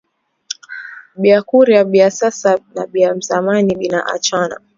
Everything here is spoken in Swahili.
Bya kuria bya sasa na bya nzamani bina achana